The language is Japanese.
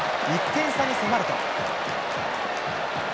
１点差に迫ると。